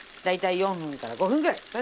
大体４分から５分ぐらい。